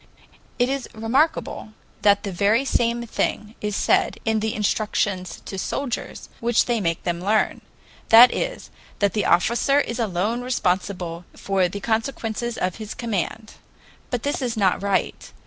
It is remarkable that the very same thing is said in the instructions to soldiers which they make them learn that is, that the officer is alone responsible for the consequences of his command. But this is not right.